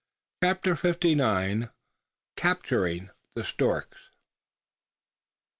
CHAPTER FIFTY NINE. CAPTURING THE STORKS.